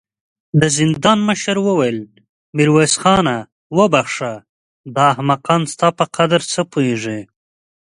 د زندان مشر وويل: ميرويس خانه! وبخښه، دا احمقان ستا په قدر څه پوهېږې.